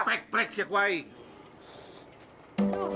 siap siap siap